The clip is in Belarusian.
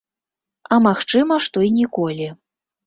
А магчыма, што і ніколі.